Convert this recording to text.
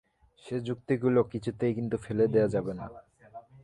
সে যুক্তিগুলো কিছুতেই ফেলে দেয়া যাবে না।